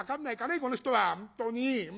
この人は本当に。